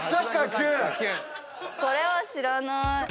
これは知らなーい。